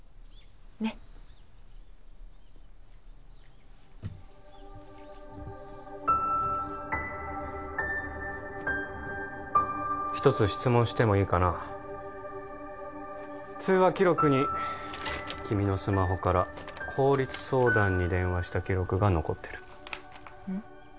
ねっ一つ質問してもいいかな通話記録に君のスマホから法律相談に電話した記録が残ってるうん？